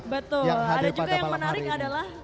betul ada juga yang menarik adalah